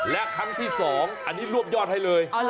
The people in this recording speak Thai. และครั้งที่๒อันนี้รวบยอดให้เลย